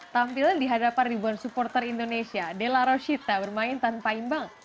tampil di hadapan ribuan supporter indonesia della roshita bermain tanpa imbang